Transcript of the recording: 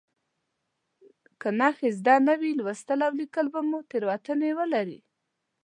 که نښې زده نه وي لوستل او لیکل به مو تېروتنې ولري.